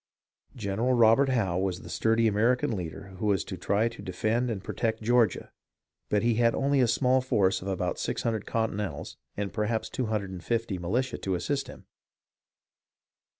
General Robert Howe was the sturdy American leader who was to try to defend and protect Georgia, but he had only a small force of about 600 Continentals and perhaps 250 militia to assist him.